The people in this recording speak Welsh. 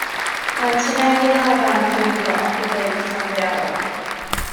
Mae twneli lafa yn ffurfio ogofeydd tanddaearol.